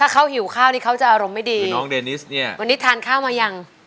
เขาหิวข้าวนี่เขาจะอารมณ์ไม่ดีน้องเดนิสเนี่ยวันนี้ทานข้าวมายัง